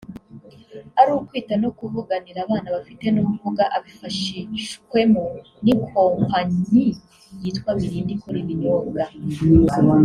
ari ukwita no kuvuganira abana bafite n’ubumuga abifashishwemo n’ikompanyi yitwa Mirinda ikora ibinyobwa